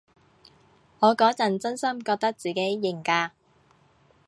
我嗰陣真心覺得自己型㗎